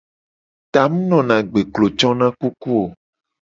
Ta mu nona agbe, klo cona kuku o.